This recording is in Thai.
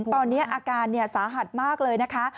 ตอนนี้อาการสาหัสมากเลยนะคะ